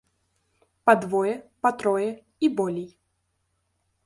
Па двое, па трое і болей.